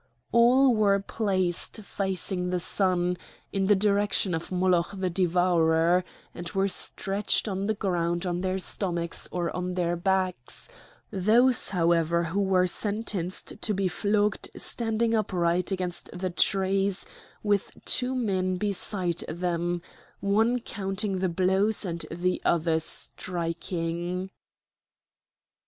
All were placed facing the sun, in the direction of Moloch the Devourer, and were stretched on the ground on their stomachs or on their backs, those, however, who were sentenced to be flogged standing upright against the trees with two men beside them, one counting the blows and the other striking.